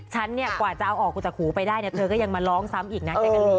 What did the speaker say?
ฉันเนี่ยกว่าจะเอาออกมาจากหูไปได้เนี่ยเธอก็ยังมาร้องซ้ำอีกนะแจ๊กกะลีน